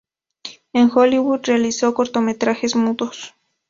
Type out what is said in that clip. En Hollywood realizó cortometrajes mudos.